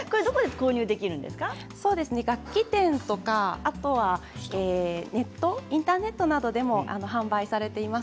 楽器店やインターネットなどでも販売されています。